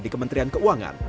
di kementerian keuangan